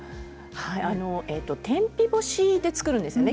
天日干しで作るんですね